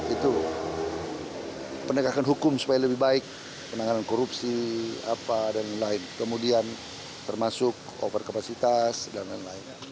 itu penegakan hukum supaya lebih baik penanganan korupsi apa dan lain kemudian termasuk overkapasitas dan lain lain